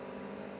nggak ada pakarnya